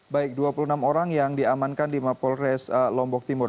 baik dua puluh enam orang yang diamankan di mapolres lombok timur